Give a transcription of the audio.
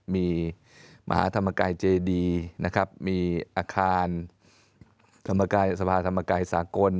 มีมหาธรรมกายเจดีนะครับมีอาคารธรรมกายสภาธรรมกายสากล